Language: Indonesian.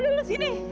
udah lu sini